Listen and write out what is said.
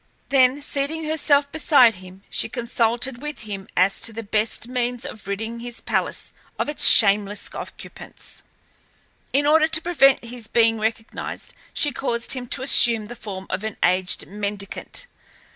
Then seating herself beside him she consulted with him as to the best means of ridding his palace of its shameless occupants. In order to prevent his being recognized she caused him to assume the form of an aged mendicant.